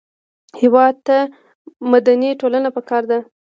هېواد ته مدني ټولنه پکار ده